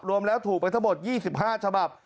รวมแล้วถูกไปทั้งหมด๒๕ฉบับ